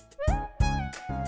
ya makasih ya mas